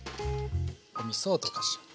おみそを溶かします。